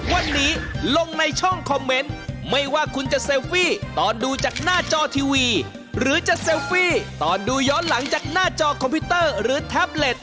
วันนี้ลงในช่องคอมเมนต์ไม่ว่าคุณจะเซลฟี่ตอนดูจากหน้าจอทีวีหรือจะเซลฟี่ตอนดูย้อนหลังจากหน้าจอคอมพิวเตอร์หรือแท็บเล็ต